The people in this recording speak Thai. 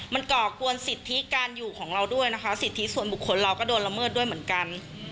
มันก่อกวนสิทธิการอยู่ของเราด้วยนะคะสิทธิส่วนบุคคลเราก็โดนละเมิดด้วยเหมือนกัน